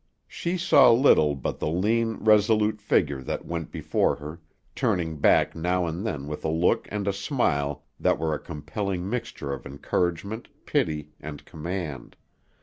She saw little but the lean, resolute figure that went before her, turning back now and then with a look and a smile that were a compelling mixture of encouragement, pity, and command.